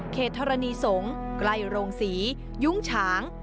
ธรณีสงฆ์ใกล้โรงศรียุ้งฉาง